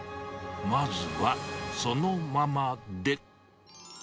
まずはそのままで。